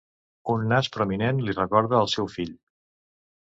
Un nas prominent li recorda el seu fill.